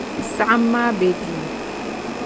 Saɣim maa be duu.